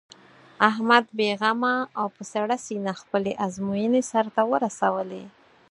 احمد بې غمه او په سړه سینه خپلې ازموینې سر ته ورسولې.